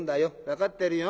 分かってるよ。